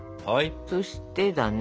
そしてだね